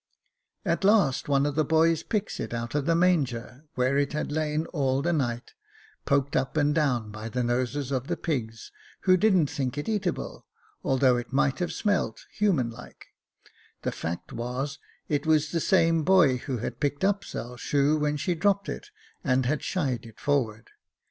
At last one of the boys picks it out of the manger, where it had lain all the night, poked up and down by the noses of the pigs, who didn't think it eatable, although it might have smelt human like ; the fact was, it was the same boy who had picked up Sail's shoe when she dropped it, and had shied it forward.